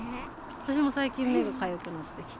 私も最近、目がかゆくなってきて。